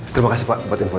terima kasih pak buat info